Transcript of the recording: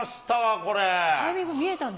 これ。